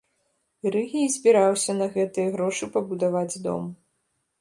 Рыгі і збіраўся на гэтыя грошы пабудаваць дом.